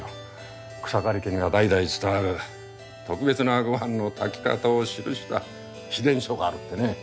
草刈家には代々伝わる特別なごはんの炊き方を記した秘伝書があるってね。